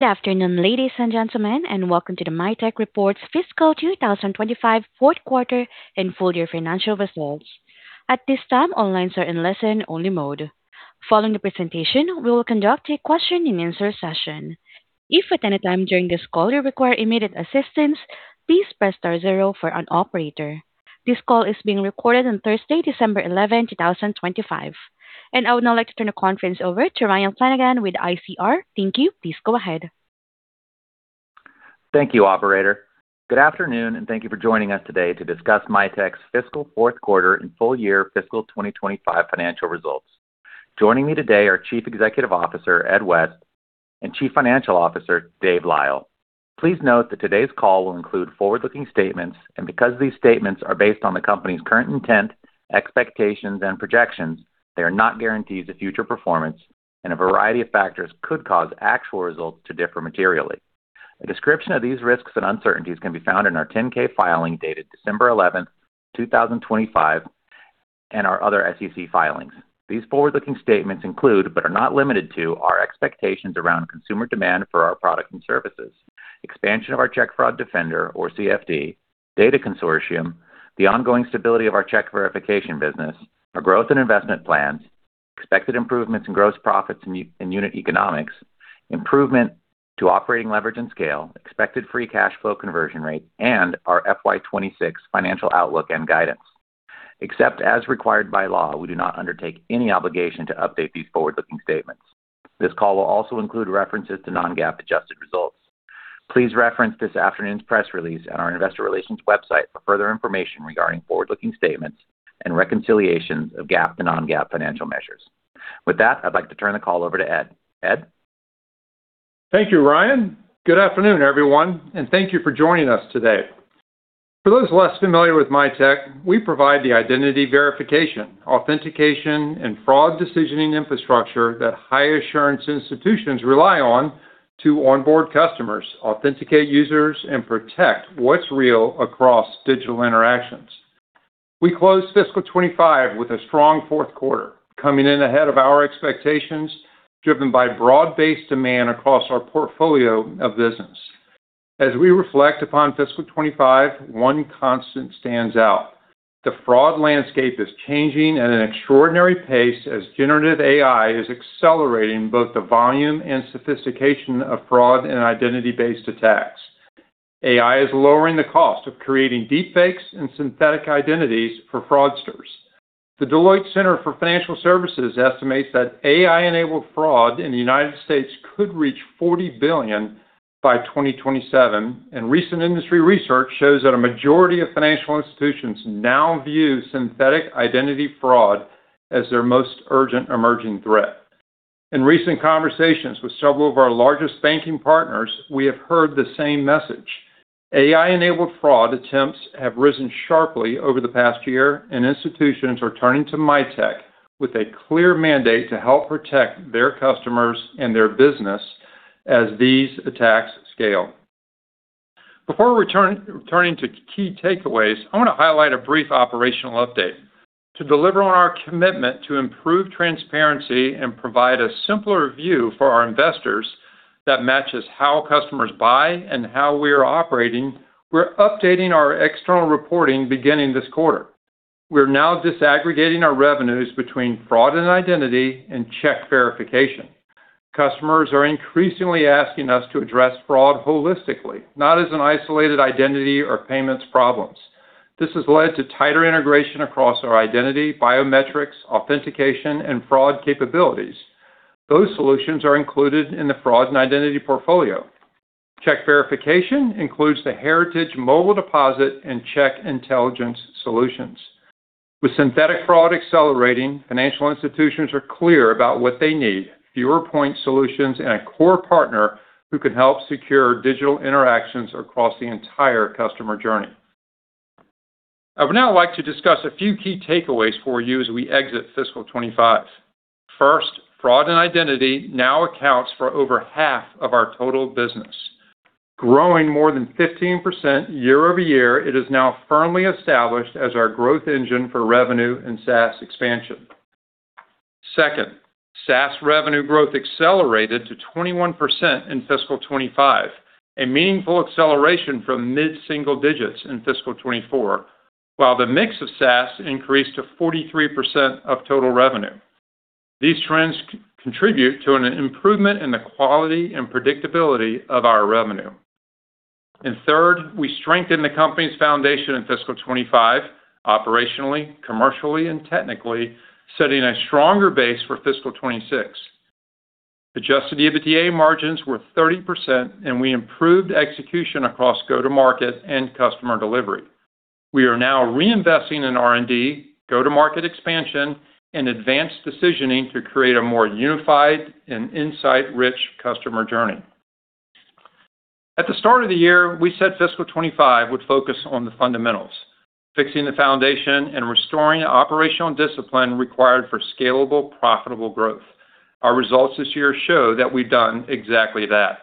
Good afternoon, ladies and gentlemen, and welcome to the Mitek Reports Fiscal 2025 Fourth Quarter and Full Year Financial Results. At this time, lines are in listen-only mode. Following the presentation, we will conduct a question-and-answer session. If at any time during this call you require immediate assistance, please press star zero for an operator. This call is being recorded on Thursday, December 11, 2025. I would now like to turn the conference over to Ryan Flanagan with ICR. Thank you. Please go ahead. Thank you, Operator. Good afternoon, and thank you for joining us today to discuss Mitek's Fiscal Fourth Quarter and Full Year Fiscal 2025 financial results. Joining me today are Chief Executive Officer Ed West and Chief Financial Officer Dave Lyle. Please note that today's call will include forward-looking statements, and because these statements are based on the company's current intent, expectations, and projections, they are not guarantees of future performance, and a variety of factors could cause actual results to differ materially. A description of these risks and uncertainties can be found in our 10-K filing dated December 11th, 2025, and our other SEC filings. These forward-looking statements include, but are not limited to, our expectations around consumer demand for our products and services, expansion of our Check Fraud Defender, or CFD, data consortium, the ongoing stability of our check verification business, our growth and investment plans, expected improvements in gross profits and unit economics, improvement to operating leverage and scale, expected free cash flow conversion rate, and our FY26 financial outlook and guidance. Except as required by law, we do not undertake any obligation to update these forward-looking statements. This call will also include references to non-GAAP adjusted results. Please reference this afternoon's press release and our investor relations website for further information regarding forward-looking statements and reconciliations of GAAP to non-GAAP financial measures. With that, I'd like to turn the call over to Ed. Ed? Thank you, Ryan. Good afternoon, everyone, and thank you for joining us today. For those less familiar with Mitek, we provide the identity verification, authentication, and fraud decisioning infrastructure that high-assurance institutions rely on to onboard customers, authenticate users, and protect what's real across digital interactions. We closed Fiscal 2025 with a strong fourth quarter, coming in ahead of our expectations, driven by broad-based demand across our portfolio of business. As we reflect upon Fiscal 2025, one constant stands out: the fraud landscape is changing at an extraordinary pace as generative AI is accelerating both the volume and sophistication of fraud and identity-based attacks. AI is lowering the cost of creating deepfakes and synthetic identities for fraudsters. The Deloitte Center for Financial Services estimates that AI-enabled fraud in the United States could reach $40 billion by 2027, and recent industry research shows that a majority of financial institutions now view synthetic identity fraud as their most urgent emerging threat. In recent conversations with several of our largest banking partners, we have heard the same message. AI-enabled fraud attempts have risen sharply over the past year, and institutions are turning to Mitek with a clear mandate to help protect their customers and their business as these attacks scale. Before returning to key takeaways, I want to highlight a brief operational update. To deliver on our commitment to improve transparency and provide a simpler view for our investors that matches how customers buy and how we are operating, we're updating our external reporting beginning this quarter. We're now disaggregating our revenues between fraud and identity and check verification. Customers are increasingly asking us to address fraud holistically, not as an isolated identity or payments problem. This has led to tighter integration across our identity, biometrics, authentication, and fraud capabilities. Those solutions are included in the fraud and identity portfolio. Check verification includes the Heritage Mobile Deposit and Check Intelligence solutions. With synthetic fraud accelerating, financial institutions are clear about what they need: fewer point solutions and a core partner who can help secure digital interactions across the entire customer journey. I would now like to discuss a few key takeaways for you as we exit Fiscal 2025. First, fraud and identity now accounts for over half of our total business. Growing more than 15% year over year, it is now firmly established as our growth engine for revenue and SaaS expansion. Second, SaaS revenue growth accelerated to 21% in Fiscal 25, a meaningful acceleration from mid-single digits in Fiscal 24, while the mix of SaaS increased to 43% of total revenue. These trends contribute to an improvement in the quality and predictability of our revenue. And third, we strengthened the company's foundation in Fiscal 25 operationally, commercially, and technically, setting a stronger base for Fiscal 26. Adjusted EBITDA margins were 30%, and we improved execution across go-to-market and customer delivery. We are now reinvesting in R&D, go-to-market expansion, and advanced decisioning to create a more unified and insight-rich customer journey. At the start of the year, we said Fiscal 25 would focus on the fundamentals, fixing the foundation and restoring operational discipline required for scalable, profitable growth. Our results this year show that we've done exactly that.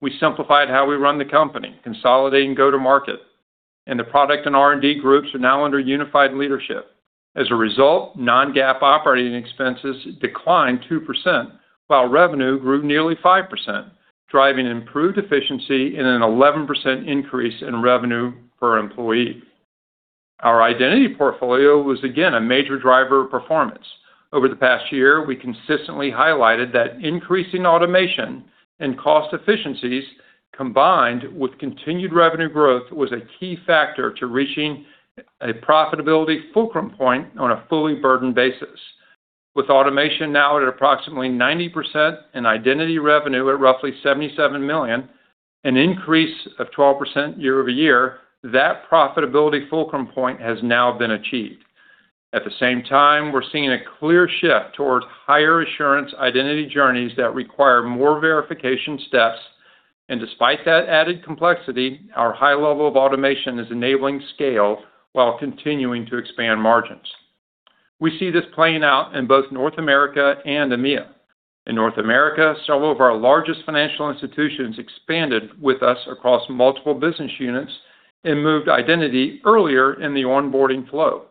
We simplified how we run the company, consolidating go-to-market, and the product and R&D groups are now under unified leadership. As a result, Non-GAAP operating expenses declined 2%, while revenue grew nearly 5%, driving improved efficiency and an 11% increase in revenue per employee. Our identity portfolio was again a major driver of performance. Over the past year, we consistently highlighted that increasing automation and cost efficiencies, combined with continued revenue growth, was a key factor to reaching a profitability fulcrum point on a fully burdened basis. With automation now at approximately 90% and identity revenue at roughly $77 million, an increase of 12% year over year, that profitability fulcrum point has now been achieved. At the same time, we're seeing a clear shift towards higher assurance identity journeys that require more verification steps, and despite that added complexity, our high level of automation is enabling scale while continuing to expand margins. We see this playing out in both North America and EMEA. In North America, several of our largest financial institutions expanded with us across multiple business units and moved identity earlier in the onboarding flow,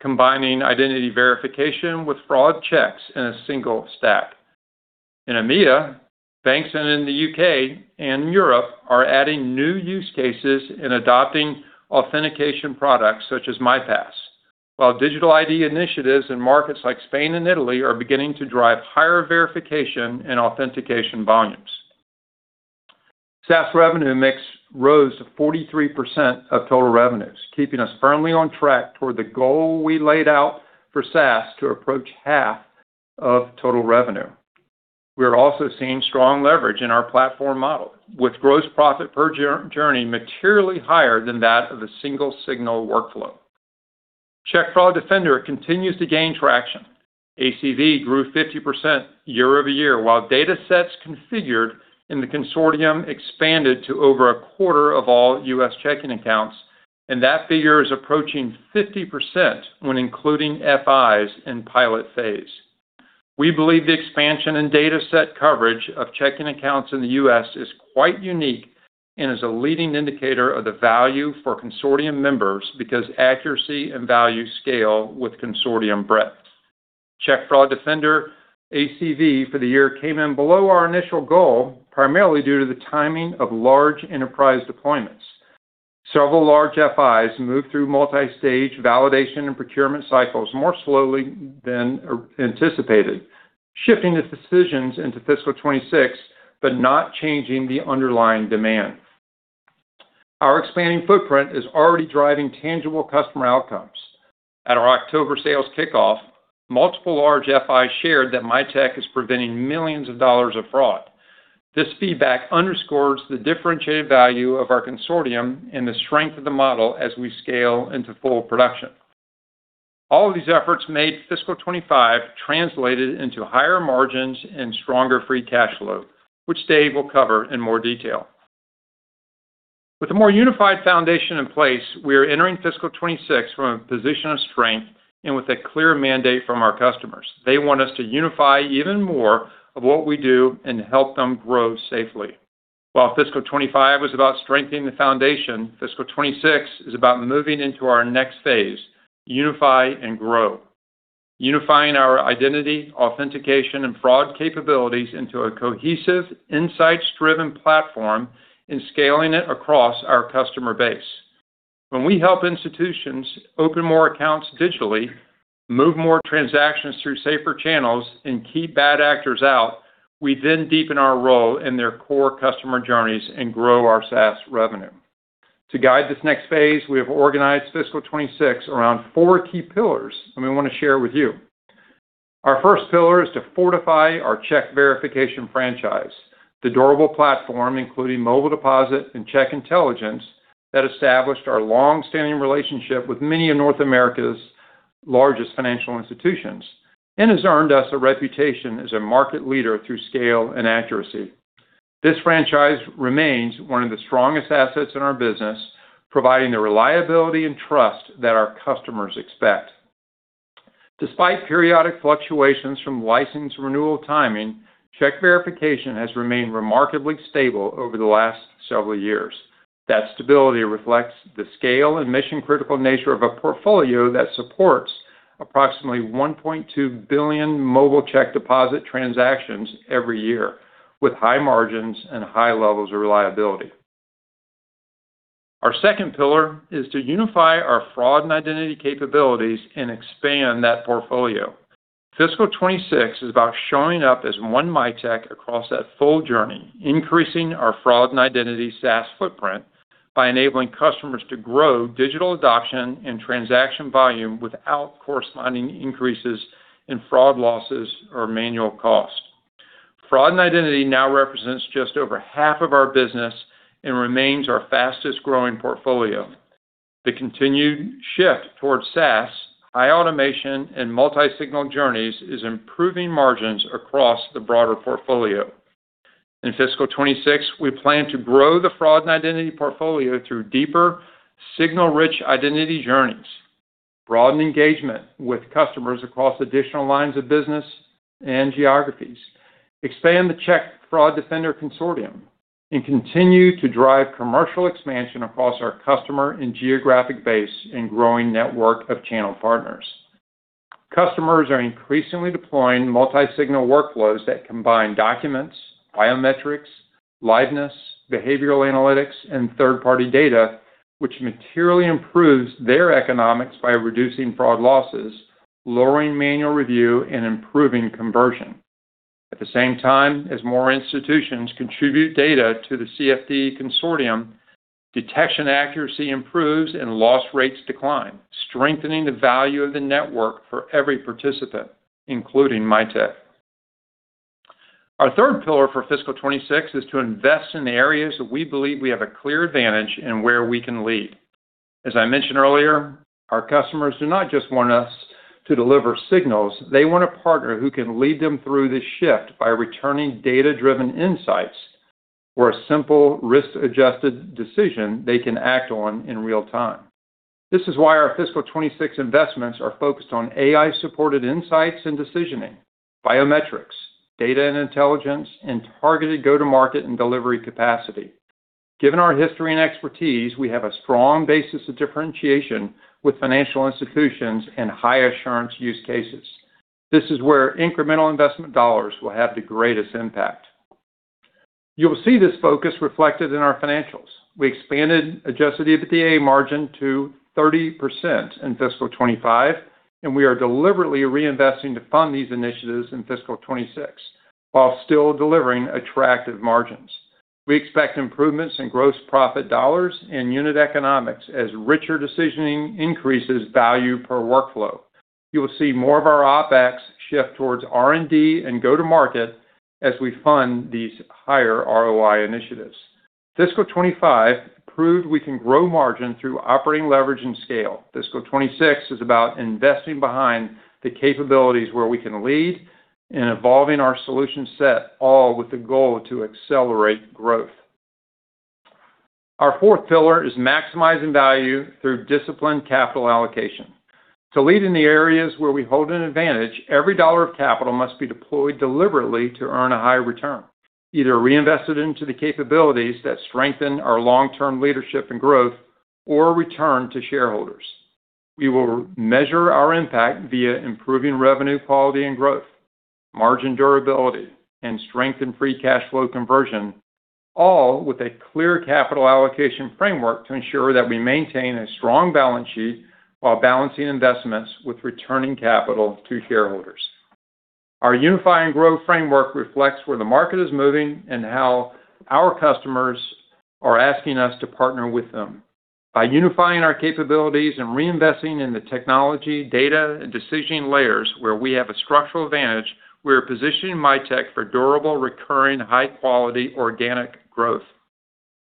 combining identity verification with fraud checks in a single stack. In EMEA, banks in the UK and Europe are adding new use cases and adopting authentication products such as MiPass, while digital ID initiatives in markets like Spain and Italy are beginning to drive higher verification and authentication volumes. SaaS revenue mix rose to 43% of total revenues, keeping us firmly on track toward the goal we laid out for SaaS to approach half of total revenue. We are also seeing strong leverage in our platform model, with gross profit per journey materially higher than that of a single signal workflow. Check Fraud Defender continues to gain traction. ACV grew 50% year over year, while data sets configured in the consortium expanded to over a quarter of all U.S. checking accounts, and that figure is approaching 50% when including FIs in pilot phase. We believe the expansion in data set coverage of checking accounts in the U.S. is quite unique and is a leading indicator of the value for consortium members because accuracy and value scale with consortium breadth. Check Fraud Defender ACV for the year came in below our initial goal, primarily due to the timing of large enterprise deployments. Several large FIs moved through multi-stage validation and procurement cycles more slowly than anticipated, shifting the decisions into Fiscal 2026 but not changing the underlying demand. Our expanding footprint is already driving tangible customer outcomes. At our October sales kickoff, multiple large FIs shared that Mitek is preventing millions of dollars of fraud. This feedback underscores the differentiated value of our consortium and the strength of the model as we scale into full production. All of these efforts made Fiscal 25 translated into higher margins and stronger free cash flow, which Dave will cover in more detail. With a more unified foundation in place, we are entering Fiscal 26 from a position of strength and with a clear mandate from our customers. They want us to unify even more of what we do and help them grow safely. While Fiscal 25 was about strengthening the foundation, Fiscal 26 is about moving into our next phase: unify and grow. Unifying our identity, authentication, and fraud capabilities into a cohesive, insights-driven platform and scaling it across our customer base. When we help institutions open more accounts digitally, move more transactions through safer channels, and keep bad actors out, we then deepen our role in their core customer journeys and grow our SaaS revenue. To guide this next phase, we have organized Fiscal 2026 around four key pillars, and we want to share it with you. Our first pillar is to fortify our check verification franchise, the durable platform including Mobile Deposit and Check Intelligence that established our long-standing relationship with many of North America's largest financial institutions and has earned us a reputation as a market leader through scale and accuracy. This franchise remains one of the strongest assets in our business, providing the reliability and trust that our customers expect. Despite periodic fluctuations from license renewal timing, check verification has remained remarkably stable over the last several years. That stability reflects the scale and mission-critical nature of a portfolio that supports approximately $1.2 billion mobile check deposit transactions every year, with high margins and high levels of reliability. Our second pillar is to unify our fraud and identity capabilities and expand that portfolio. Fiscal 26 is about showing up as one Mitek across that full journey, increasing our fraud and identity SaaS footprint by enabling customers to grow digital adoption and transaction volume without corresponding increases in fraud losses or manual cost. Fraud and identity now represents just over half of our business and remains our fastest-growing portfolio. The continued shift towards SaaS, high automation, and multi-signal journeys is improving margins across the broader portfolio. In Fiscal 26, we plan to grow the fraud and identity portfolio through deeper, signal-rich identity journeys, broaden engagement with customers across additional lines of business and geographies, expand the Check Fraud Defender consortium, and continue to drive commercial expansion across our customer and geographic base and growing network of channel partners. Customers are increasingly deploying multi-signal workflows that combine documents, biometrics, liveness, behavioral analytics, and third-party data, which materially improves their economics by reducing fraud losses, lowering manual review, and improving conversion. At the same time, as more institutions contribute data to the CFD consortium, detection accuracy improves and loss rates decline, strengthening the value of the network for every participant, including Mitek. Our third pillar for Fiscal 26 is to invest in the areas that we believe we have a clear advantage and where we can lead. As I mentioned earlier, our customers do not just want us to deliver signals. They want a partner who can lead them through this shift by returning data-driven insights or a simple risk-adjusted decision they can act on in real time. This is why our Fiscal 26 investments are focused on AI-supported insights and decisioning, biometrics, data and intelligence, and targeted go-to-market and delivery capacity. Given our history and expertise, we have a strong basis of differentiation with financial institutions and high-assurance use cases. This is where incremental investment dollars will have the greatest impact. You will see this focus reflected in our financials. We expanded Adjusted EBITDA margin to 30% in Fiscal 25, and we are deliberately reinvesting to fund these initiatives in Fiscal 26 while still delivering attractive margins. We expect improvements in gross profit dollars and unit economics as richer decisioning increases value per workflow. You will see more of our OpEx shift towards R&D and go-to-market as we fund these higher ROI initiatives. Fiscal 25 proved we can grow margin through operating leverage and scale. Fiscal 26 is about investing behind the capabilities where we can lead and evolving our solution set, all with the goal to accelerate growth. Our fourth pillar is maximizing value through disciplined capital allocation. To lead in the areas where we hold an advantage, every dollar of capital must be deployed deliberately to earn a high return, either reinvested into the capabilities that strengthen our long-term leadership and growth or returned to shareholders. We will measure our impact via improving revenue quality and growth, margin durability, and strengthen free cash flow conversion, all with a clear capital allocation framework to ensure that we maintain a strong balance sheet while balancing investments with returning capital to shareholders. Our unify and grow framework reflects where the market is moving and how our customers are asking us to partner with them. By unifying our capabilities and reinvesting in the technology, data, and decisioning layers where we have a structural advantage, we are positioning Mitek for durable, recurring, high-quality organic growth.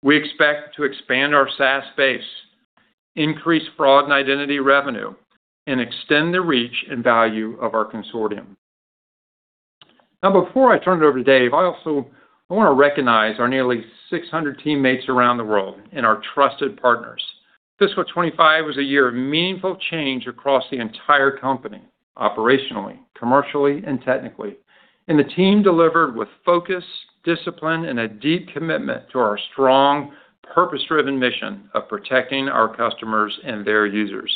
We expect to expand our SaaS base, increase fraud and identity revenue, and extend the reach and value of our consortium. Now, before I turn it over to Dave, I also want to recognize our nearly 600 teammates around the world and our trusted partners. Fiscal 2025 was a year of meaningful change across the entire company, operationally, commercially, and technically, and the team delivered with focus, discipline, and a deep commitment to our strong, purpose-driven mission of protecting our customers and their users.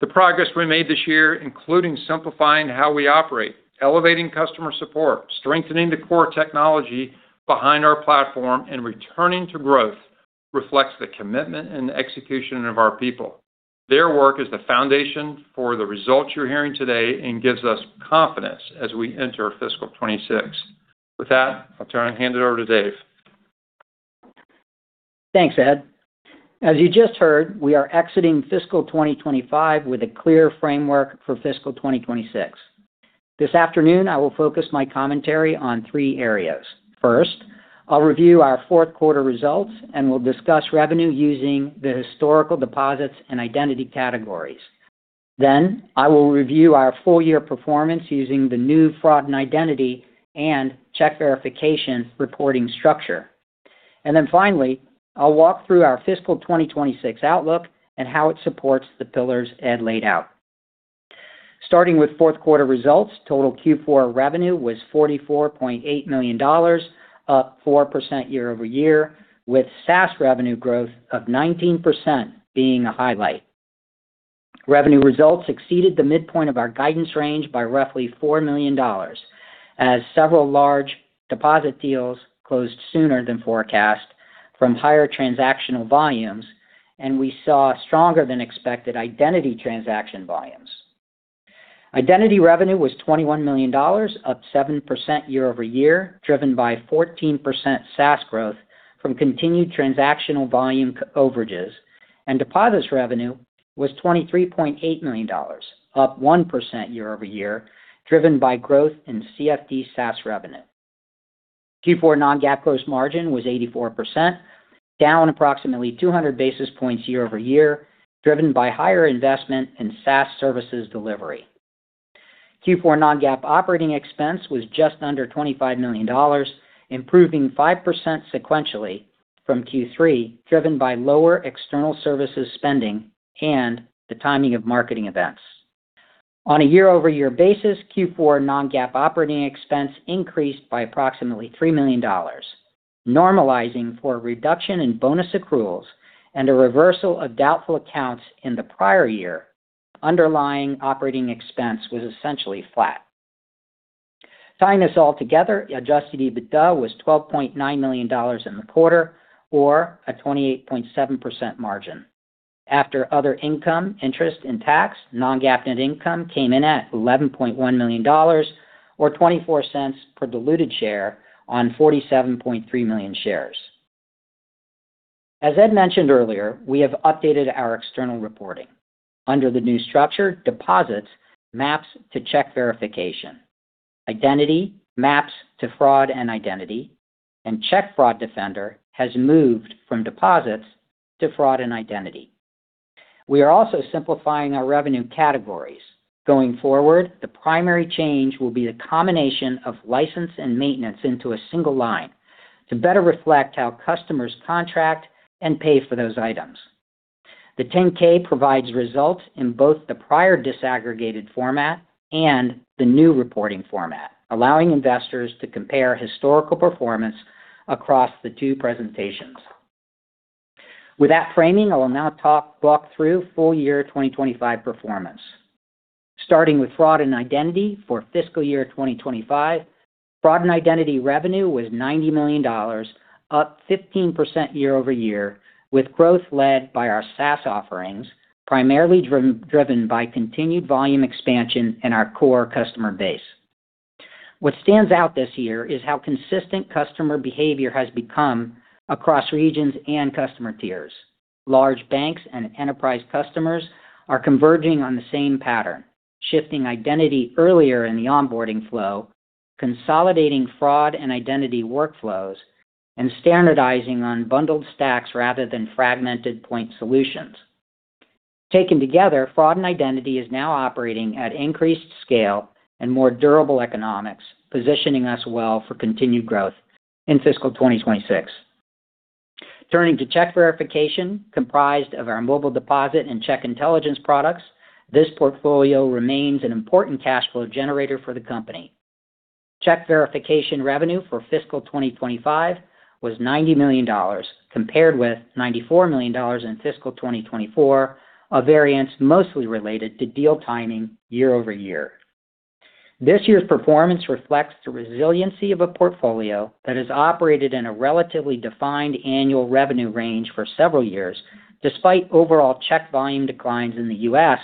The progress we made this year, including simplifying how we operate, elevating customer support, strengthening the core technology behind our platform, and returning to growth, reflects the commitment and execution of our people. Their work is the foundation for the results you're hearing today and gives us confidence as we enter Fiscal 2026. With that, I'll turn and hand it over to Dave. Thanks, Ed. As you just heard, we are exiting Fiscal 2025 with a clear framework for Fiscal 2026. This afternoon, I will focus my commentary on three areas. First, I'll review our fourth quarter results and will discuss revenue using the historical deposits and identity categories. Then, I will review our full-year performance using the new fraud and identity and check verification reporting structure. And then finally, I'll walk through our Fiscal 2026 outlook and how it supports the pillars Ed laid out. Starting with fourth quarter results, total Q4 revenue was $44.8 million, up 4% year over year, with SaaS revenue growth of 19% being a highlight. Revenue results exceeded the midpoint of our guidance range by roughly $4 million, as several large deposit deals closed sooner than forecast from higher transactional volumes, and we saw stronger-than-expected identity transaction volumes. Identity revenue was $21 million, up 7% year over year, driven by 14% SaaS growth from continued transactional volume overages, and deposits revenue was $23.8 million, up 1% year over year, driven by growth in CFD SaaS revenue. Q4 non-GAAP gross margin was 84%, down approximately 200 basis points year over year, driven by higher investment in SaaS services delivery. Q4 non-GAAP operating expense was just under $25 million, improving 5% sequentially from Q3, driven by lower external services spending and the timing of marketing events. On a year-over-year basis, Q4 non-GAAP operating expense increased by approximately $3 million, normalizing for a reduction in bonus accruals and a reversal of doubtful accounts in the prior year. Underlying operating expense was essentially flat. Tying this all together, Adjusted EBITDA was $12.9 million in the quarter, or a 28.7% margin. After other income, interest, and tax, non-GAAP net income came in at $11.1 million, or $0.24 per diluted share on 47.3 million shares. As Ed mentioned earlier, we have updated our external reporting. Under the new structure, deposits maps to check verification. Identity maps to fraud and identity, and Check Fraud Defender has moved from deposits to fraud and identity. We are also simplifying our revenue categories. Going forward, the primary change will be the combination of license and maintenance into a single line to better reflect how customers contract and pay for those items. The 10-K provides results in both the prior disaggregated format and the new reporting format, allowing investors to compare historical performance across the two presentations. With that framing, I'll now walk through full-year 2025 performance. Starting with fraud and identity for fiscal year 2025, fraud and identity revenue was $90 million, up 15% year over year, with growth led by our SaaS offerings, primarily driven by continued volume expansion and our core customer base. What stands out this year is how consistent customer behavior has become across regions and customer tiers. Large banks and enterprise customers are converging on the same pattern, shifting identity earlier in the onboarding flow, consolidating fraud and identity workflows, and standardizing on bundled stacks rather than fragmented point solutions. Taken together, fraud and identity is now operating at increased scale and more durable economics, positioning us well for continued growth in fiscal 2026. Turning to check verification, comprised of our Mobile Deposit and Check Intelligence products, this portfolio remains an important cash flow generator for the company. Check verification revenue for fiscal 2025 was $90 million, compared with $94 million in fiscal 2024, a variance mostly related to deal timing year over year. This year's performance reflects the resiliency of a portfolio that has operated in a relatively defined annual revenue range for several years, despite overall check volume declines in the U.S.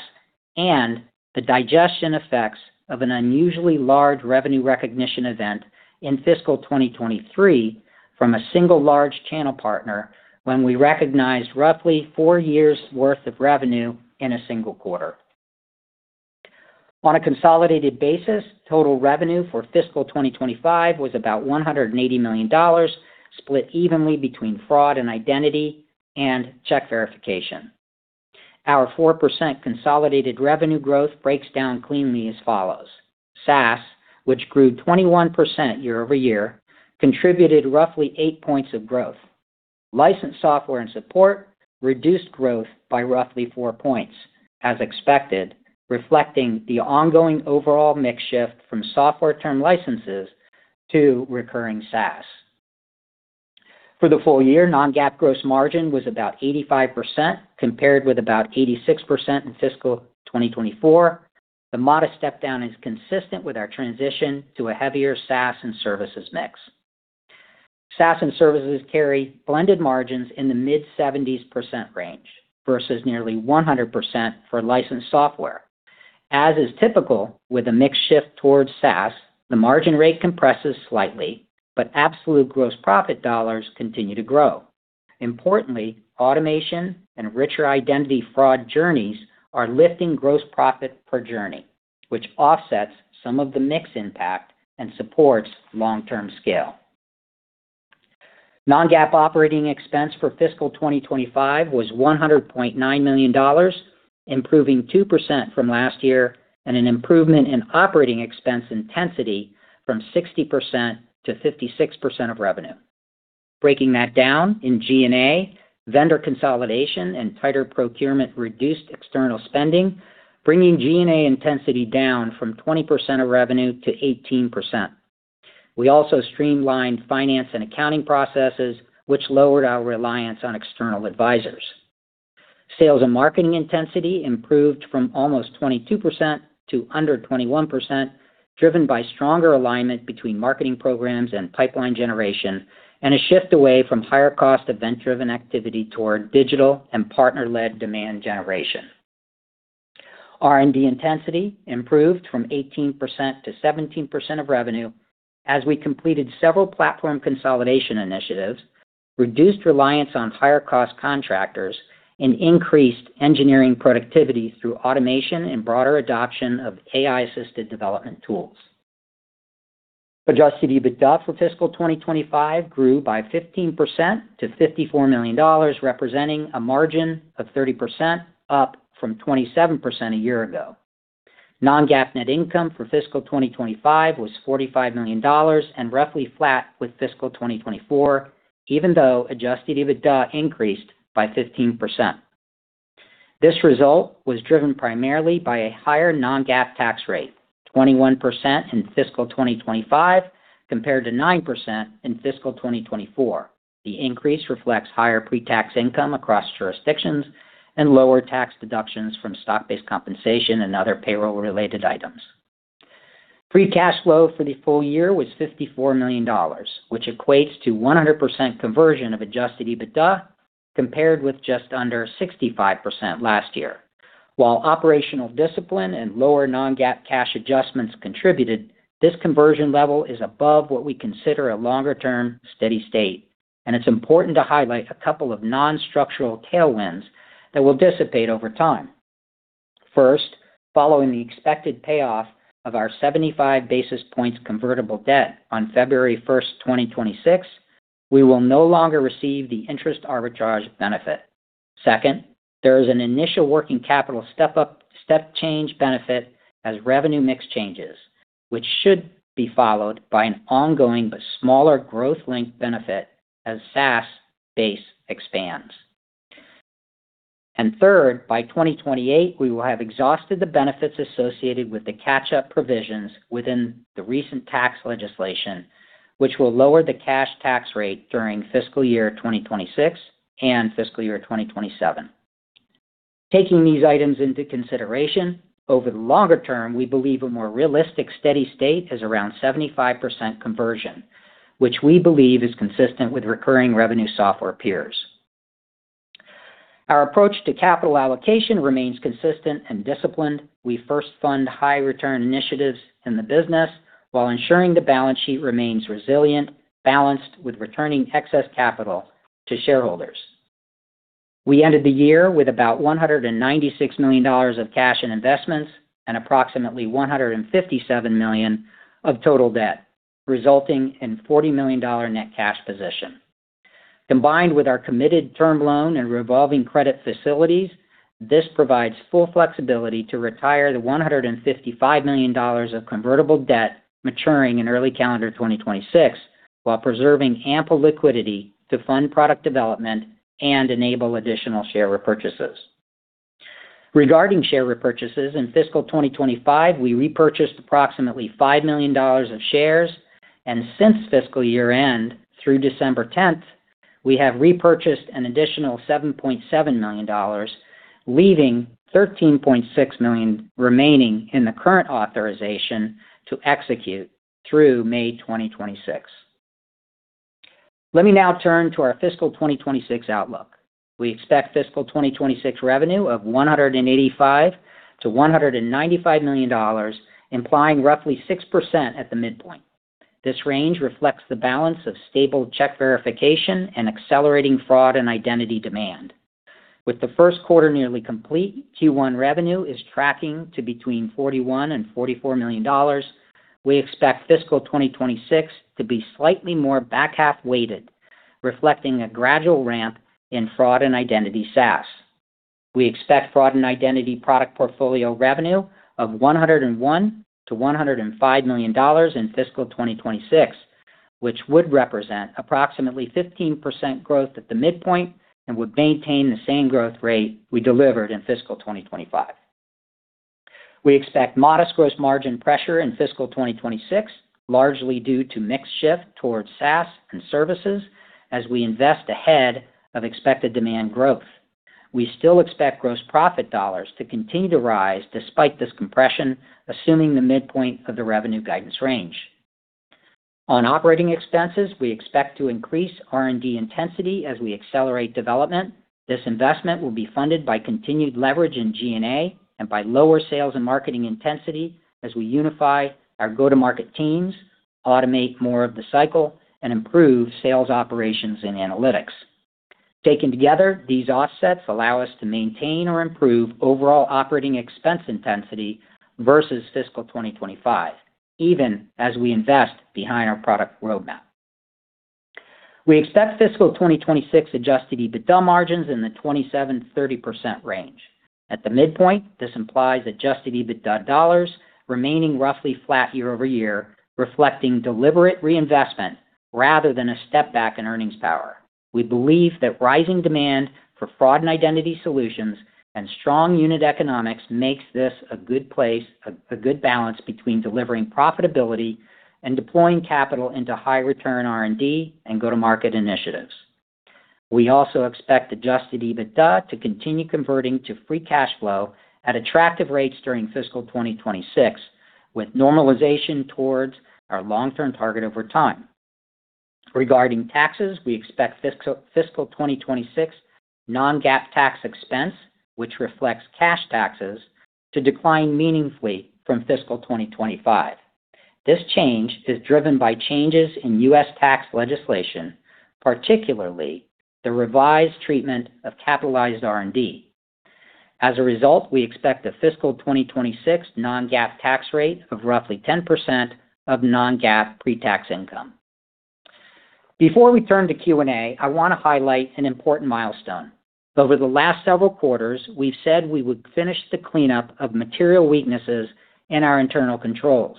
and the digestion effects of an unusually large revenue recognition event in fiscal 2023 from a single large channel partner when we recognized roughly four years' worth of revenue in a single quarter. On a consolidated basis, total revenue for fiscal 2025 was about $180 million, split evenly between fraud and identity and check verification. Our 4% consolidated revenue growth breaks down cleanly as follows. SaaS, which grew 21% year over year, contributed roughly eight points of growth. License software and support reduced growth by roughly four points, as expected, reflecting the ongoing overall mix shift from software-term licenses to recurring SaaS. For the full year, non-GAAP gross margin was about 85%, compared with about 86% in fiscal 2024. The modest step-down is consistent with our transition to a heavier SaaS and services mix. SaaS and services carry blended margins in the mid-70% range versus nearly 100% for licensed software. As is typical with a mix shift towards SaaS, the margin rate compresses slightly, but absolute gross profit dollars continue to grow. Importantly, automation and richer identity fraud journeys are lifting gross profit per journey, which offsets some of the mix impact and supports long-term scale. Non-GAAP operating expense for fiscal 2025 was $100.9 million, improving 2% from last year and an improvement in operating expense intensity from 60%-56% of revenue. Breaking that down in G&A, vendor consolidation and tighter procurement reduced external spending, bringing G&A intensity down from 20% of revenue to 18%. We also streamlined finance and accounting processes, which lowered our reliance on external advisors. Sales and marketing intensity improved from almost 22% to under 21%, driven by stronger alignment between marketing programs and pipeline generation and a shift away from higher-cost event-driven activity toward digital and partner-led demand generation. R&D intensity improved from 18%-17% of revenue as we completed several platform consolidation initiatives, reduced reliance on higher-cost contractors, and increased engineering productivity through automation and broader adoption of AI-assisted development tools. Adjusted EBITDA for fiscal 2025 grew by 15% to $54 million, representing a margin of 30%, up from 27% a year ago. Non-GAAP net income for fiscal 2025 was $45 million and roughly flat with fiscal 2024, even though adjusted EBITDA increased by 15%. This result was driven primarily by a higher Non-GAAP tax rate, 21% in fiscal 2025, compared to 9% in fiscal 2024. The increase reflects higher pre-tax income across jurisdictions and lower tax deductions from stock-based compensation and other payroll-related items. Free cash flow for the full year was $54 million, which equates to 100% conversion of adjusted EBITDA, compared with just under 65% last year. While operational discipline and lower Non-GAAP cash adjustments contributed, this conversion level is above what we consider a longer-term steady state, and it's important to highlight a couple of non-structural tailwinds that will dissipate over time. First, following the expected payoff of our 75 basis points convertible debt on February 1st, 2026, we will no longer receive the interest arbitrage benefit. Second, there is an initial working capital step-up step change benefit as revenue mix changes, which should be followed by an ongoing but smaller growth-linked benefit as SaaS base expands. And third, by 2028, we will have exhausted the benefits associated with the catch-up provisions within the recent tax legislation, which will lower the cash tax rate during fiscal year 2026 and fiscal year 2027. Taking these items into consideration, over the longer term, we believe a more realistic steady state is around 75% conversion, which we believe is consistent with recurring revenue software peers. Our approach to capital allocation remains consistent and disciplined. We first fund high-return initiatives in the business while ensuring the balance sheet remains resilient, balanced with returning excess capital to shareholders. We ended the year with about $196 million of cash and investments and approximately $157 million of total debt, resulting in a $40 million net cash position. Combined with our committed term loan and revolving credit facilities, this provides full flexibility to retire the $155 million of convertible debt maturing in early calendar 2026 while preserving ample liquidity to fund product development and enable additional share repurchases. Regarding share repurchases in fiscal 2025, we repurchased approximately $5 million of shares, and since fiscal year-end through December 10th, we have repurchased an additional $7.7 million, leaving $13.6 million remaining in the current authorization to execute through May 2026. Let me now turn to our fiscal 2026 outlook. We expect fiscal 2026 revenue of $185 to $195 million, implying roughly 6% at the midpoint. This range reflects the balance of stable check verification and accelerating fraud and identity demand. With the first quarter nearly complete, Q1 revenue is tracking to between $41 to $44 million. We expect fiscal 2026 to be slightly more back-half weighted, reflecting a gradual ramp in fraud and identity SaaS. We expect fraud and identity product portfolio revenue of $101 to $105 million in fiscal 2026, which would represent approximately 15% growth at the midpoint and would maintain the same growth rate we delivered in fiscal 2025. We expect modest gross margin pressure in fiscal 2026, largely due to mix shift towards SaaS and services as we invest ahead of expected demand growth. We still expect gross profit dollars to continue to rise despite this compression, assuming the midpoint of the revenue guidance range. On operating expenses, we expect to increase R&D intensity as we accelerate development. This investment will be funded by continued leverage in G&A and by lower sales and marketing intensity as we unify our go-to-market teams, automate more of the cycle, and improve sales operations and analytics. Taken together, these offsets allow us to maintain or improve overall operating expense intensity versus fiscal 2025, even as we invest behind our product roadmap. We expect fiscal 2026 adjusted EBITDA margins in the 27%-30% range. At the midpoint, this implies adjusted EBITDA remaining roughly flat year over year, reflecting deliberate reinvestment rather than a step back in earnings power. We believe that rising demand for fraud and identity solutions and strong unit economics makes this a good place, a good balance between delivering profitability and deploying capital into high-return R&D and go-to-market initiatives. We also expect Adjusted EBITDA to continue converting to free cash flow at attractive rates during fiscal 2026, with normalization towards our long-term target over time. Regarding taxes, we expect fiscal 2026 non-GAAP tax expense, which reflects cash taxes, to decline meaningfully from fiscal 2025. This change is driven by changes in U.S. tax legislation, particularly the revised treatment of capitalized R&D. As a result, we expect a fiscal 2026 non-GAAP tax rate of roughly 10% of non-GAAP pre-tax income. Before we turn to Q&A, I want to highlight an important milestone. Over the last several quarters, we've said we would finish the cleanup of material weaknesses in our internal controls.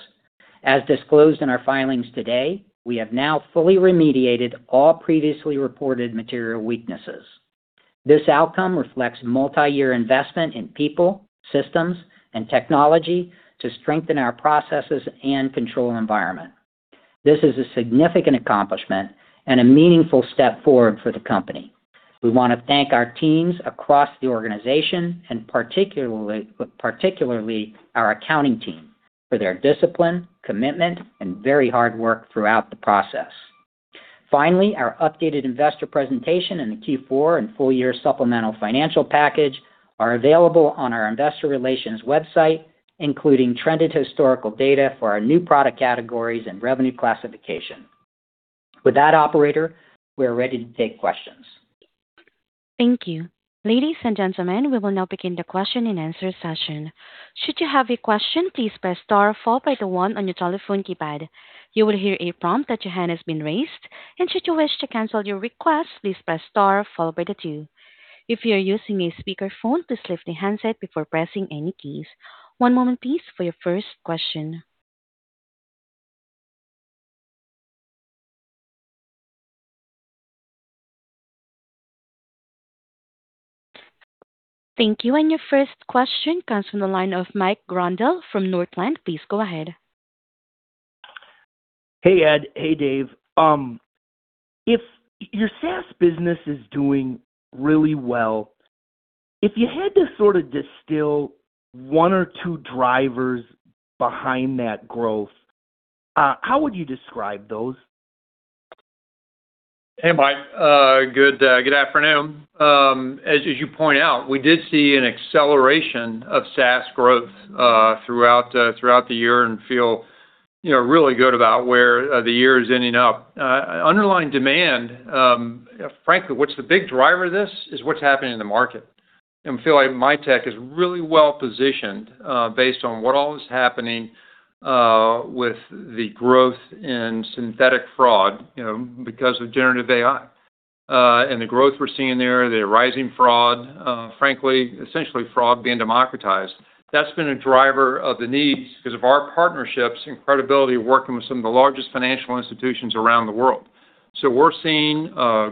As disclosed in our filings today, we have now fully remediated all previously reported material weaknesses. This outcome reflects multi-year investment in people, systems, and technology to strengthen our processes and control environment. This is a significant accomplishment and a meaningful step forward for the company. We want to thank our teams across the organization, and particularly our accounting team, for their discipline, commitment, and very hard work throughout the process. Finally, our updated investor presentation and the Q4 and full-year supplemental financial package are available on our investor relations website, including trended historical data for our new product categories and revenue classification. With that, operator, we're ready to take questions. Thank you. Ladies and gentlemen, we will now begin the question and answer session. Should you have a question, please press star followed by the one on your telephone keypad. You will hear a prompt that your hand has been raised, and should you wish to cancel your request, please press star followed by the two. If you are using a speakerphone, please lift the handset before pressing any keys. One moment, please, for your first question. Thank you, and your first question comes from the line of Mike Grondahl from Northland. Please go ahead. Hey, Ed. Hey, Dave. If your SaaS business is doing really well, if you had to sort of distill one or two drivers behind that growth, how would you describe those? Hey, Mike. Good afternoon. As you point out, we did see an acceleration of SaaS growth throughout the year and feel really good about where the year is ending up. Underlying demand, frankly, what's the big driver of this is what's happening in the market, and I feel like Mitek is really well positioned based on what all is happening with the growth in synthetic fraud because of generative AI and the growth we're seeing there, the rising fraud, frankly, essentially fraud being democratized. That's been a driver of the needs because of our partnerships and credibility of working with some of the largest financial institutions around the world. So we're seeing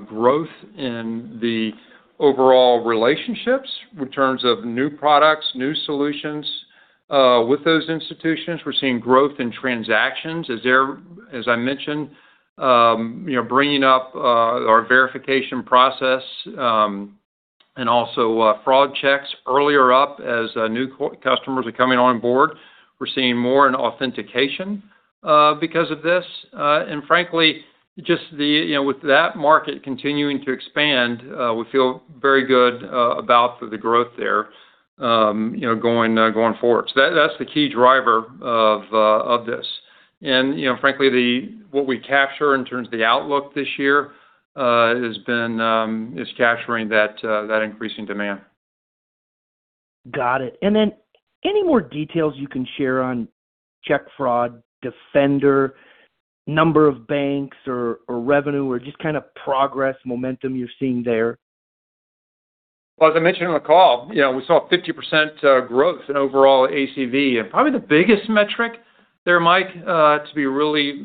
growth in the overall relationships in terms of new products, new solutions with those institutions. We're seeing growth in transactions, as I mentioned, bringing up our verification process and also fraud checks earlier up as new customers are coming on board. We're seeing more in authentication because of this. And frankly, just with that market continuing to expand, we feel very good about the growth there going forward. So that's the key driver of this. And frankly, what we capture in terms of the outlook this year has been capturing that increasing demand. Got it, and then any more details you can share on Check Fraud Defender, number of banks, or revenue, or just kind of progress, momentum you're seeing there? As I mentioned on the call, we saw 50% growth in overall ACV. Probably the biggest metric there, Mike, to be really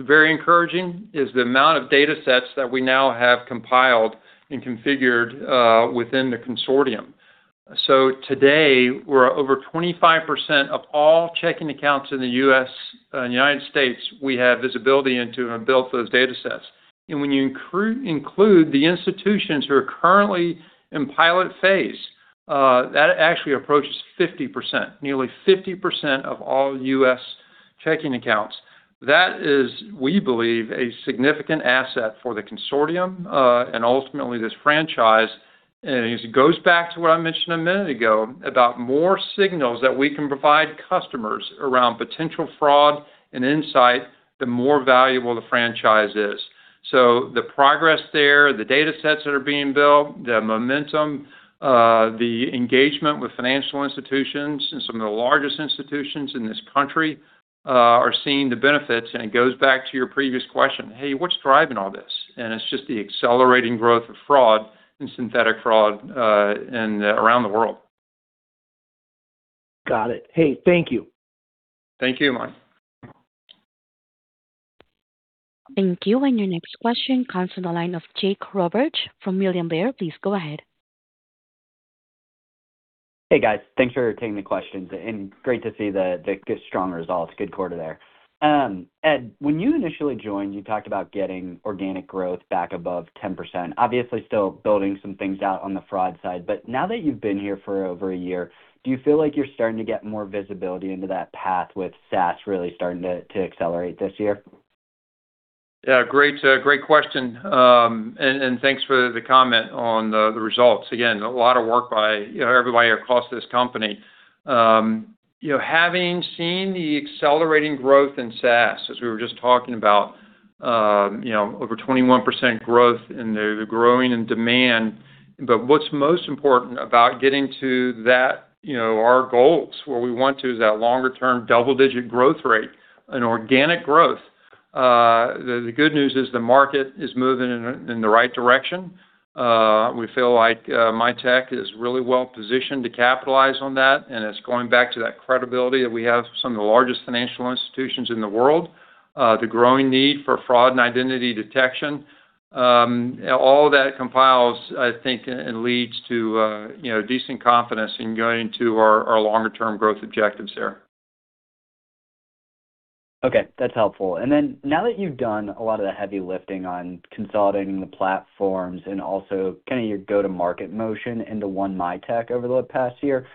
very encouraging, is the amount of data sets that we now have compiled and configured within the consortium. Today, we're over 25% of all checking accounts in the U.S. and United States. We have visibility into and have built those data sets. When you include the institutions who are currently in pilot phase, that actually approaches 50%, nearly 50% of all U.S. checking accounts. That is, we believe, a significant asset for the consortium and ultimately this franchise. It goes back to what I mentioned a minute ago about more signals that we can provide customers around potential fraud and insight, the more valuable the franchise is. The progress there, the data sets that are being built, the momentum, the engagement with financial institutions and some of the largest institutions in this country are seeing the benefits. And it goes back to your previous question, "Hey, what's driving all this?" And it's just the accelerating growth of fraud and synthetic fraud around the world. Got it. Hey, thank you. Thank you, Mike. Thank you. And your next question comes from the line of Jake Roberge from William Blair. Please go ahead. Hey, guys. Thanks for taking the questions. And great to see the good strong results. Good quarter there. Ed, when you initially joined, you talked about getting organic growth back above 10%. Obviously, still building some things out on the fraud side. But now that you've been here for over a year, do you feel like you're starting to get more visibility into that path with SaaS really starting to accelerate this year? Yeah. Great question. And thanks for the comment on the results. Again, a lot of work by everybody across this company. Having seen the accelerating growth in SaaS, as we were just talking about, over 21% growth in the growing in demand. But what's most important about getting to that, our goals, what we want to is that longer-term double-digit growth rate and organic growth. The good news is the market is moving in the right direction. We feel like Mitek is really well positioned to capitalize on that. And it's going back to that credibility that we have some of the largest financial institutions in the world, the growing need for fraud and identity detection. All of that compiles, I think, and leads to decent confidence in going to our longer-term growth objectives here. Okay. That's helpful. And then now that you've done a lot of the heavy lifting on consolidating the platforms and also kind of your go-to-market motion into One Mitek over the past year,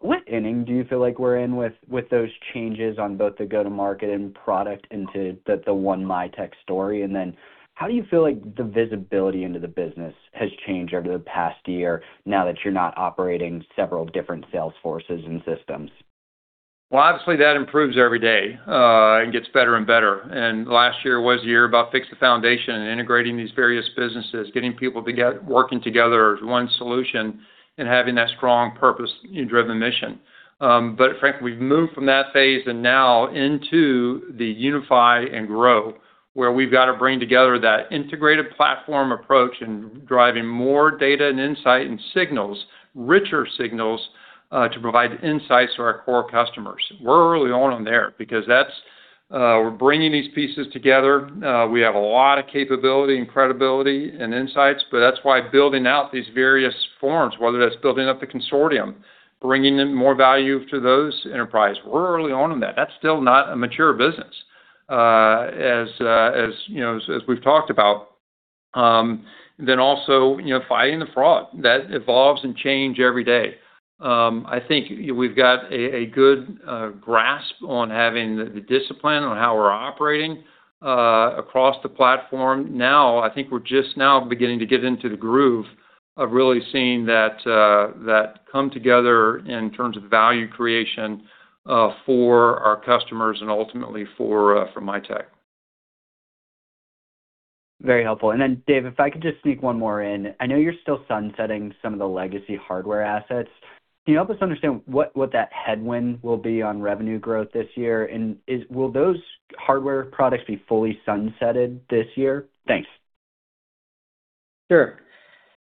what inning do you feel like we're in with those changes on both the go-to-market and product into the OneMitek story? And then how do you feel like the visibility into the business has changed over the past year now that you're not operating several different sales forces and systems? Well, obviously, that improves every day and gets better and better. And last year was a year about fixing the foundation and integrating these various businesses, getting people to working together as one solution and having that strong purpose-driven mission. But frankly, we've moved from that phase and now into the unify and grow, where we've got to bring together that integrated platform approach and driving more data and insight and signals, richer signals to provide insights to our core customers. We're early on in there because we're bringing these pieces together. We have a lot of capability and credibility and insights. But that's why building out these various forms, whether that's building up the consortium, bringing in more value to those enterprises. We're early on in that. That's still not a mature business, as we've talked about. Then also fighting the fraud that evolves and changes every day. I think we've got a good grasp on having the discipline on how we're operating across the platform. Now, I think we're just now beginning to get into the groove of really seeing that come together in terms of value creation for our customers and ultimately for Mitek. Very helpful, and then, Dave, if I could just sneak one more in. I know you're still sunsetting some of the legacy hardware assets. Can you help us understand what that headwind will be on revenue growth this year? And will those hardware products be fully sunsetted this year? Thanks. Sure.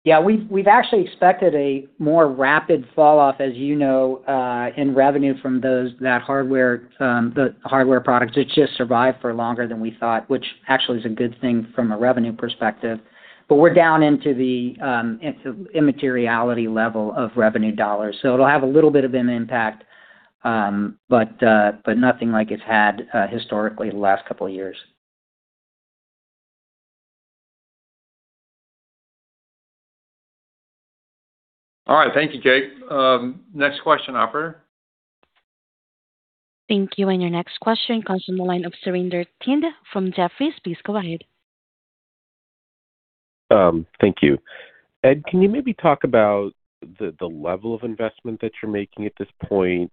Yeah. We've actually expected a more rapid falloff, as you know, in revenue from that hardware product. It just survived for longer than we thought, which actually is a good thing from a revenue perspective. But we're down into the immateriality level of revenue dollars. So it'll have a little bit of an impact, but nothing like it's had historically the last couple of years. All right. Thank you, Jake. Next question, operator. Thank you. And your next question comes from the line of Surinder Thind from Jefferies. Please go ahead. Thank you. Ed, can you maybe talk about the level of investment that you're making at this point?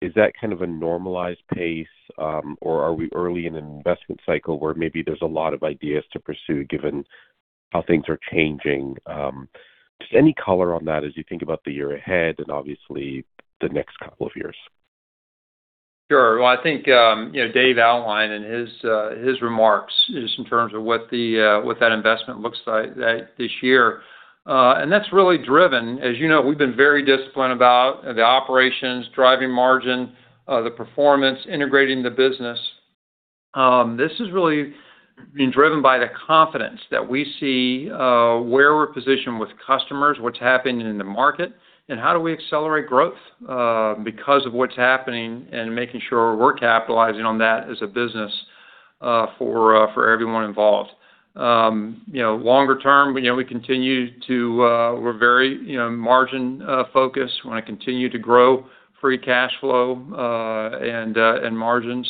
Is that kind of a normalized pace, or are we early in an investment cycle where maybe there's a lot of ideas to pursue given how things are changing? Just any color on that as you think about the year ahead and obviously the next couple of years. Sure. Well, I think Dave outlined in his remarks just in terms of what that investment looks like this year. And that's really driven. As you know, we've been very disciplined about the operations, driving margin, the performance, integrating the business. This has really been driven by the confidence that we see where we're positioned with customers, what's happening in the market, and how do we accelerate growth because of what's happening and making sure we're capitalizing on that as a business for everyone involved. Longer term, we're very margin-focused. We want to continue to grow free cash flow and margins.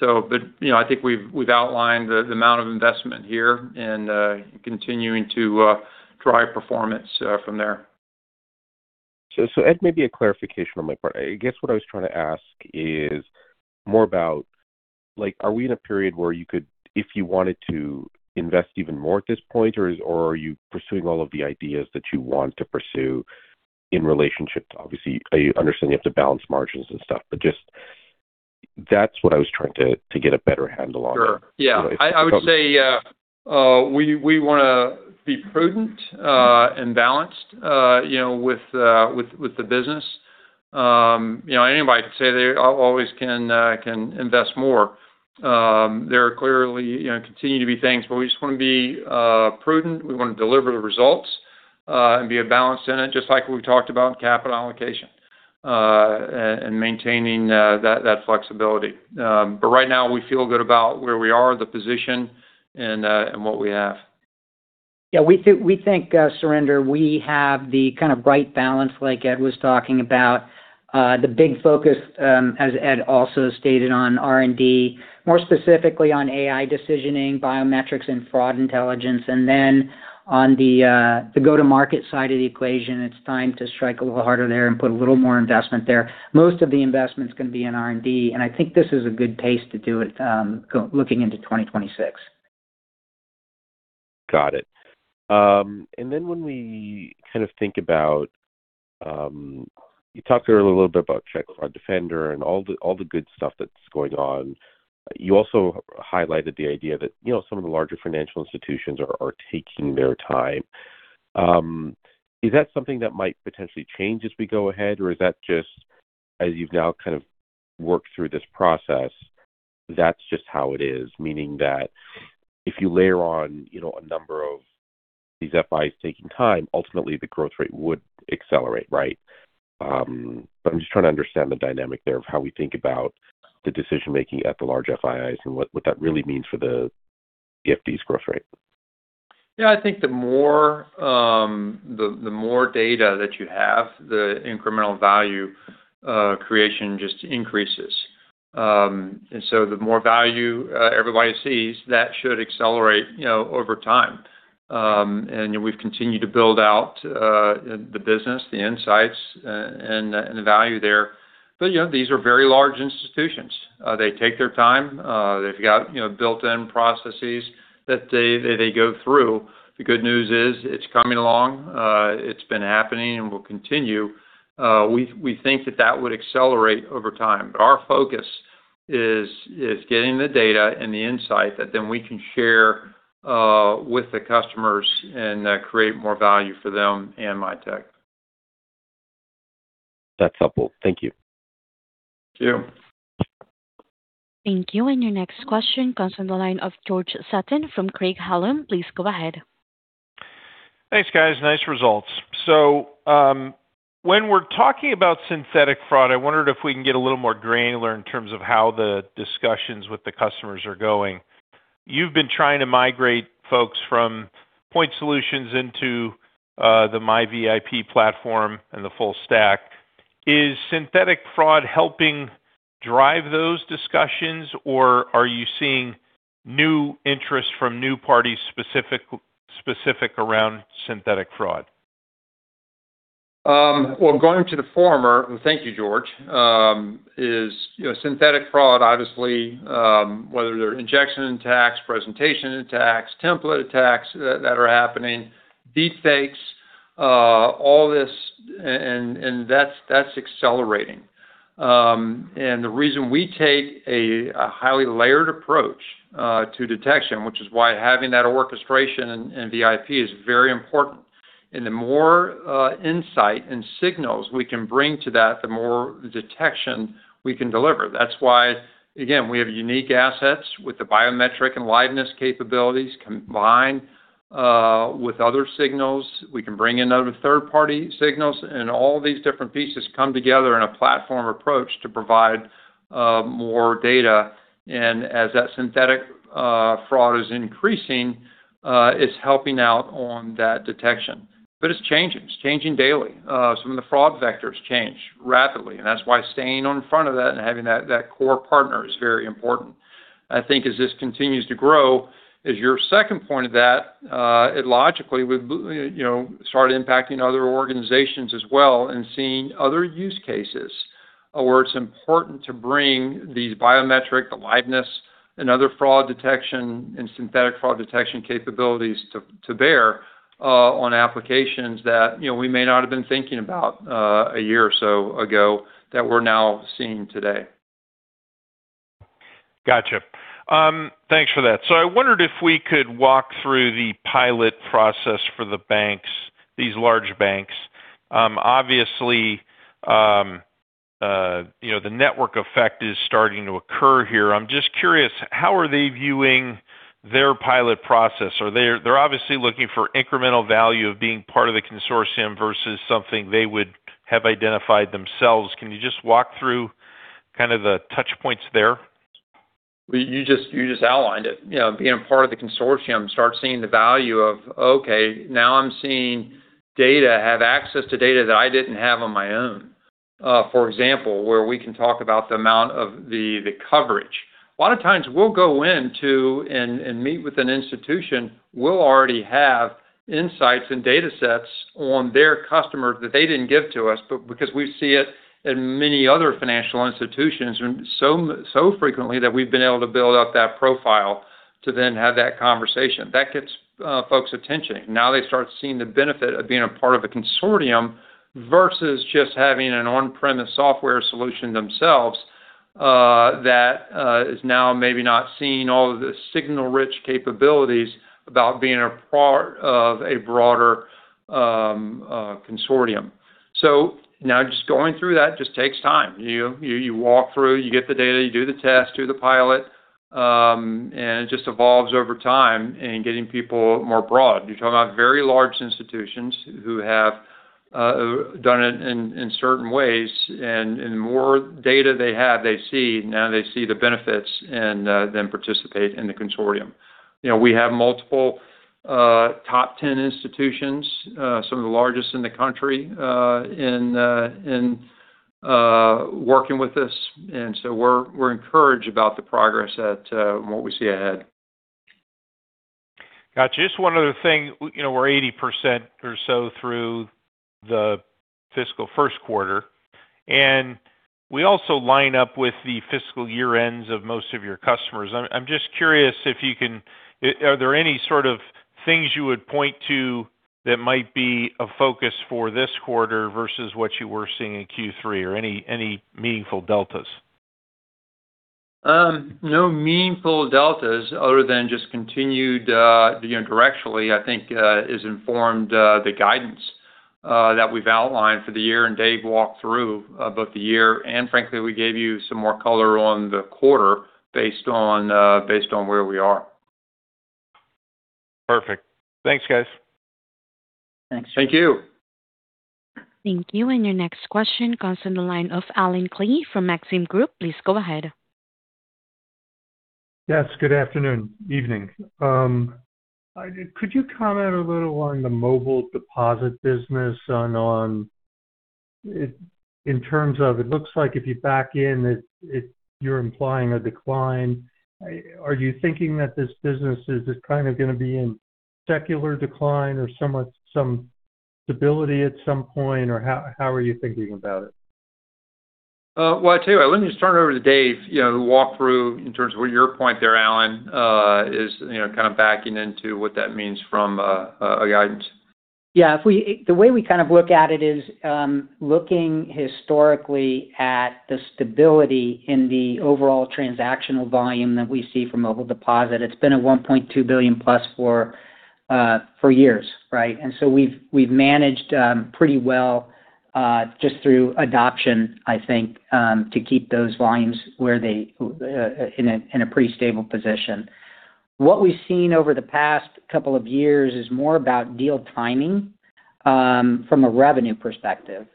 But I think we've outlined the amount of investment here and continuing to drive performance from there. So Ed, maybe a clarification on my part. I guess what I was trying to ask is more about, are we in a period where you could, if you wanted to, invest even more at this point, or are you pursuing all of the ideas that you want to pursue in relationship to, obviously, I understand you have to balance margins and stuff, but just that's what I was trying to get a better handle on? Sure. Yeah. I would say we want to be prudent and balanced with the business. Anybody could say they always can invest more. There are clearly continuing to be things, but we just want to be prudent. We want to deliver the results and be a balance in it, just like we've talked about in capital allocation and maintaining that flexibility. But right now, we feel good about where we are, the position, and what we have. Yeah. We think, Surinder, we have the kind of right balance like Ed was talking about. The big focus, as Ed also stated, on R&D, more specifically on AI decisioning, biometrics, and fraud intelligence. And then on the go-to-market side of the equation, it's time to strike a little harder there and put a little more investment there. Most of the investment's going to be in R&D. And I think this is a good pace to do it looking into 2026. Got it. And then when we kind of think about you talked earlier a little bit about Check Fraud Defender, and all the good stuff that's going on. You also highlighted the idea that some of the larger financial institutions are taking their time. Is that something that might potentially change as we go ahead, or is that just, as you've now kind of worked through this process, that's just how it is, meaning that if you layer on a number of these FIs taking time, ultimately, the growth rate would accelerate, right? But I'm just trying to understand the dynamic there of how we think about the decision-making at the large FIs and what that really means for the FD's growth rate. Yeah. I think the more data that you have, the incremental value creation just increases. And so the more value everybody sees, that should accelerate over time. And we've continued to build out the business, the insights, and the value there. But these are very large institutions. They take their time. They've got built-in processes that they go through. The good news is it's coming along. It's been happening and will continue. We think that that would accelerate over time. But our focus is getting the data and the insight that then we can share with the customers and create more value for them and Mitek. That's helpful. Thank you. Thank you. Thank you. And your next question comes from the line of George Sutton from Craig-Hallum. Please go ahead. Thanks, guys. Nice results. So when we're talking about synthetic fraud, I wondered if we can get a little more granular in terms of how the discussions with the customers are going. You've been trying to migrate folks from point solutions into the MiVIP platform and the full stack. Is synthetic fraud helping drive those discussions, or are you seeing new interest from new parties specific around synthetic fraud? Going to the former, and thank you, George, is synthetic fraud, obviously, whether they're injection attacks, presentation attacks, template attacks that are happening, deepfakes, all this, and that's accelerating. The reason we take a highly layered approach to detection, which is why having that orchestration and MiVIP is very important. The more insight and signals we can bring to that, the more detection we can deliver. That's why, again, we have unique assets with the biometric and liveness capabilities combined with other signals. We can bring in other third-party signals, and all these different pieces come together in a platform approach to provide more data. As that synthetic fraud is increasing, it's helping out on that detection. It's changing. It's changing daily. Some of the fraud vectors change rapidly. That's why staying in front of that and having that core partner is very important. I think as this continues to grow, as your second point of that, it logically would start impacting other organizations as well and seeing other use cases where it's important to bring these biometric, the liveness, and other fraud detection and synthetic fraud detection capabilities to bear on applications that we may not have been thinking about a year or so ago that we're now seeing today. Gotcha. Thanks for that. So I wondered if we could walk through the pilot process for the banks, these large banks. Obviously, the network effect is starting to occur here. I'm just curious, how are they viewing their pilot process? They're obviously looking for incremental value of being part of the consortium versus something they would have identified themselves. Can you just walk through kind of the touchpoints there? You just outlined it. Being a part of the consortium, start seeing the value of, "Okay. Now I'm seeing data have access to data that I didn't have on my own." For example, where we can talk about the amount of the coverage. A lot of times, we'll go in to and meet with an institution. We'll already have insights and data sets on their customers that they didn't give to us because we see it in many other financial institutions so frequently that we've been able to build up that profile to then have that conversation. That gets folks' attention. Now they start seeing the benefit of being a part of a consortium versus just having an on-premise software solution themselves that is now maybe not seeing all of the signal-rich capabilities about being a part of a broader consortium. So now just going through that just takes time. You walk through, you get the data, you do the test, do the pilot, and it just evolves over time in getting people more broad. You're talking about very large institutions who have done it in certain ways, and the more data they have, they see. Now they see the benefits and then participate in the consortium. We have multiple top 10 institutions, some of the largest in the country, now working with us, and so we're encouraged about the progress and what we see ahead. Gotcha. Just one other thing. We're 80% or so through the fiscal first quarter, and we also line up with the fiscal year-ends of most of your customers. I'm just curious, are there any sort of things you would point to that might be a focus for this quarter versus what you were seeing in Q3 or any meaningful deltas? No meaningful deltas other than just continued directionally, I think, has informed the guidance that we've outlined for the year and Dave walked through both the year and, frankly, we gave you some more color on the quarter based on where we are. Perfect. Thanks, guys. Thanks. Thank you. Thank you. And your next question comes from the line of Allen Klee from Maxim Group. Please go ahead. Yes. Good afternoon. Evening. Could you comment a little on the Mobile Deposit business in terms of it looks like if you back in, you're implying a decline. Are you thinking that this business is kind of going to be in secular decline or some stability at some point, or how are you thinking about it? Well, I tell you what. Let me just turn it over to Dave who walked through in terms of what your point there, Allen, is kind of backing into what that means from a guidance. Yeah. The way we kind of look at it is looking historically at the stability in the overall transactional volume that we see for Mobile Deposit. It's been at 1.2 billion plus for years, right? And so we've managed pretty well just through adoption, I think, to keep those volumes in a pretty stable position. What we've seen over the past couple of years is more about deal timing from a revenue perspective.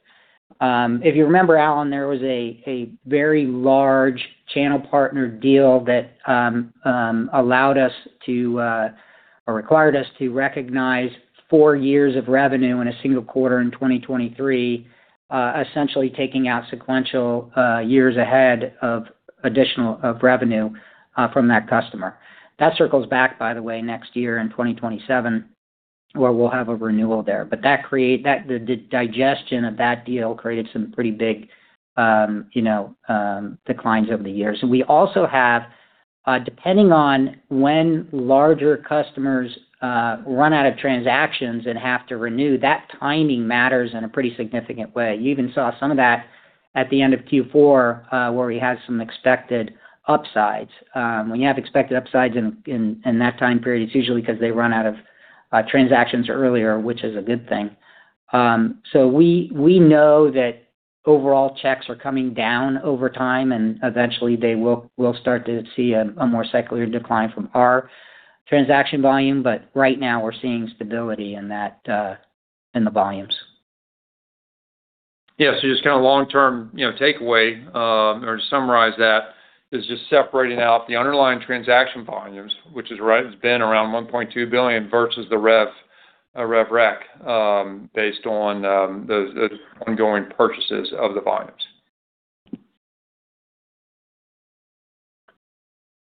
If you remember, Allen, there was a very large channel partner deal that allowed us to or required us to recognize four years of revenue in a single quarter in 2023, essentially taking out sequential years ahead of additional revenue from that customer. That circles back, by the way, next year in 2027, where we'll have a renewal there. But the digestion of that deal created some pretty big declines over the years. And we also have, depending on when larger customers run out of transactions and have to renew, that timing matters in a pretty significant way. You even saw some of that at the end of Q4 where we had some expected upsides. When you have expected upsides in that time period, it's usually because they run out of transactions earlier, which is a good thing. So we know that overall checks are coming down over time, and eventually, they will start to see a more secular decline from our transaction volume. But right now, we're seeing stability in the volumes. Yeah. Just kind of long-term takeaway or to summarize, that is just separating out the underlying transaction volumes, which has been around 1.2 billion versus the rev rec based on the ongoing purchases of the volumes.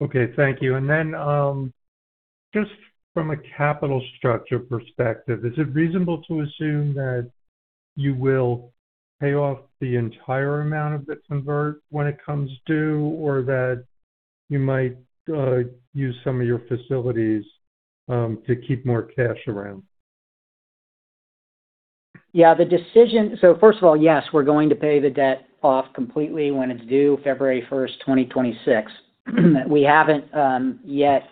Okay. Thank you. And then just from a capital structure perspective, is it reasonable to assume that you will pay off the entire amount of the convert when it comes due, or that you might use some of your facilities to keep more cash around? Yeah. So first of all, yes, we're going to pay the debt off completely when it's due February 1st, 2026. We haven't yet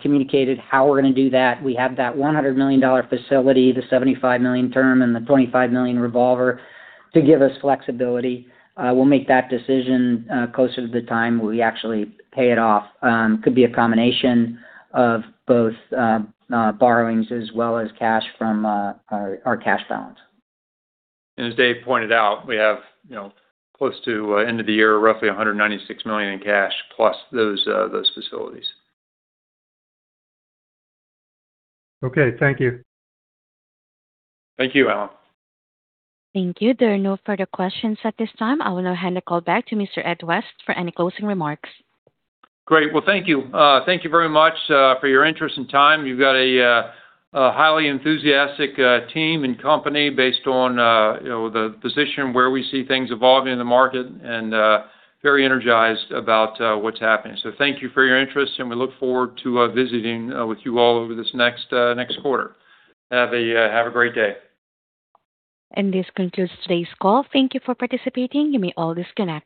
communicated how we're going to do that. We have that $100 million facility, the $75 million term, and the $25 million revolver to give us flexibility. We'll make that decision closer to the time we actually pay it off. It could be a combination of both borrowings as well as cash from our cash balance. And as Dave pointed out, we have close to end of the year, roughly $196 million in cash plus those facilities. Okay. Thank you. Thank you, Allen. Thank you. There are no further questions at this time. I will now hand the call back to Mr. Ed West for any closing remarks. Great. Well, thank you. Thank you very much for your interest and time. You've got a highly enthusiastic team and company based on the position where we see things evolving in the market and very energized about what's happening. So thank you for your interest, and we look forward to visiting with you all over this next quarter. Have a great day. And this concludes today's call. Thank you for participating. You may always connect.